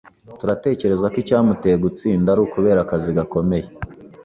Turatekereza ko icyamuteye gutsinda ari ukubera akazi gakomeye.